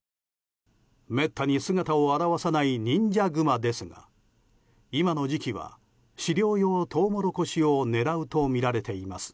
めったに姿を現さない忍者グマですが今の時期は飼料用トウモロコシを狙うとみられています。